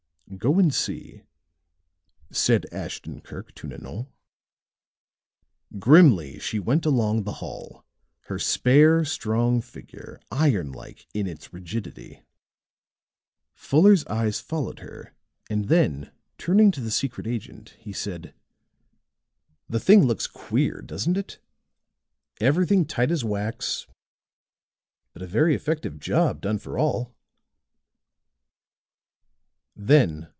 "Go and see," said Ashton Kirk to Nanon. Grimly she went along the hall, her spare, strong figure iron like in its rigidity; Fuller's eyes followed her and then turning to the secret agent, he said: "The thing looks queer, doesn't it? Everything tight as wax, but a very effective job done for all."